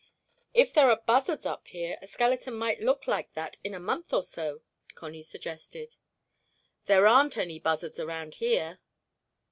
"If there are buzzards up here a skeleton might look like that in a month or so," Connie suggested. "There aren't any buzzards around here."